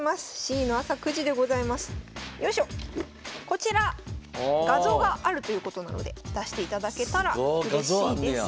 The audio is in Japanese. こちら画像があるということなので出していただけたらうれしいです。